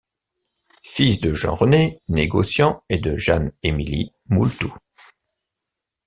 Fils de Jean-René, négociant et de Jeanne-Emilie Moultou.